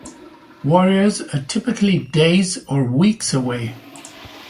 Warriors are typically days or weeks away.